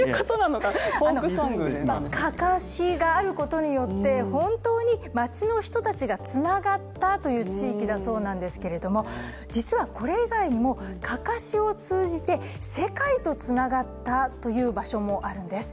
かかしがあることによって本当に町の人たちがつながったという地域だそうなんですけど実はこれ以外にも、かかしを通じて世界とつながったという場所もあるんです。